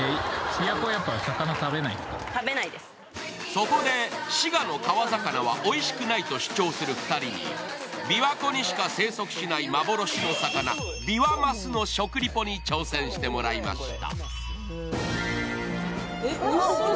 そこで、滋賀の川魚はおいしくないと主張する２人に、びわ湖にしか生息しない幻の魚、ビワマスの食リポに挑戦してもらいました。